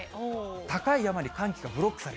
高い山に寒気がブロックされ